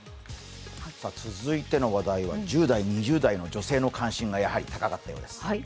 続いての話題は１０代２０代の女性の関心が高かったようです。